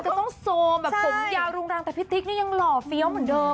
จะต้องโซมแบบผมยาวรุงรังแต่พี่ติ๊กนี่ยังหล่อเฟี้ยวเหมือนเดิม